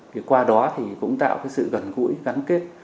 thì qua đó cũng tạo sự gần gũi gắn kết